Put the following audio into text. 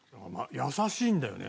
優しいんだよね。